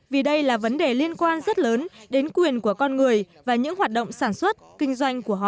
vì đây là vấn đề liên quan rất lớn đến quyền của con người và những hoạt động sản xuất kinh doanh của họ